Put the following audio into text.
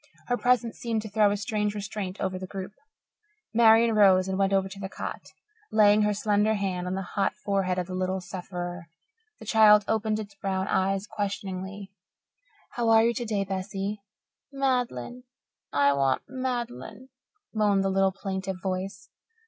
Her presence seemed to throw a strange restraint over the group. Marian rose and went over to the cot, laying her slender hand on the hot forehead of the little sufferer. The child opened its brown eyes questioningly. "How are you today, Bessie?" "Mad'len I want Mad'len," moaned the little plaintive voice.